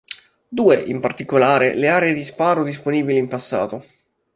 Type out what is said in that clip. Due, in particolare, le aree di sparo disponibili in passato.